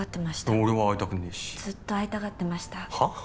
俺は会いたくねえしずっと会いたがってましたはっ？